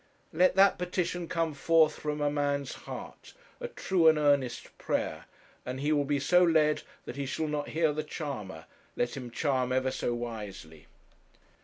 Let that petition come forth from a man's heart, a true and earnest prayer, and he will be so led that he shall not hear the charmer, let him charm ever so wisely.